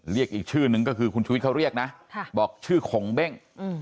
เรียกอีกชื่อนึงก็คือคุณชุวิตเขาเรียกนะบอกชื่อขงเบ้ง